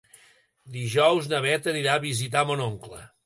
Dijous na Bet anirà a visitar mon oncle.